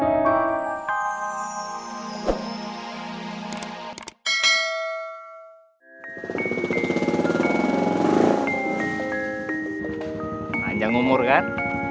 panjang umur kan